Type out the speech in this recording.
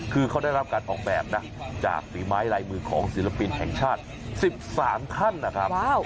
คือเขาได้รับการออกแบบนะจากฝีไม้ลายมือของศิลปินแห่งชาติ๑๓ท่านนะครับ